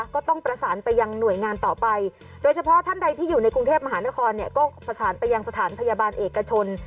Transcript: ก็ต้องประสานไปยังหน่วยงานต่อไปโดยเฉพาะท่านใดที่อยู่ในกรุงเทพมหานครเนี่ยก็ประสานไปยังสถานพยาบาลเอกชน